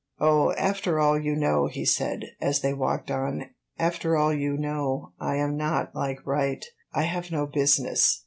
"Oh, after all, you know," he said, as they walked on "after all, you know, I am not like Wright I have no business."